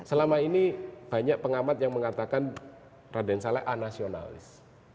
selama ini banyak pengamat yang mengatakan raden salah anasionalis